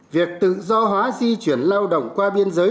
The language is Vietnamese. việc tự do hóa di chuyển lao động qua biên giới